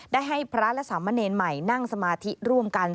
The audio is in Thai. ได้ให้พระและสามเณรใหม่นั่งสมาธิร่วมกัน